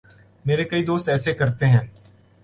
میرے کئی دوست ایسے کرتے ہیں۔